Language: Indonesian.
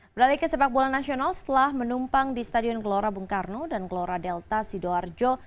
beralih ke sepak bola nasional setelah menumpang di stadion gelora bung karno dan gelora delta sidoarjo